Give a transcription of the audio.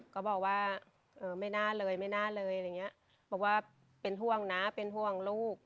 ก็บอกว่าเออไม่น่าเลยไม่น่าเลยอะไรอย่างเงี้ยบอกว่าเป็นห่วงนะเป็นห่วงลูก